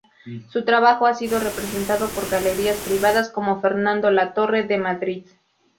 Su trabajo ha sido representado por galerías privadas, como Fernando Latorre, de Madrid.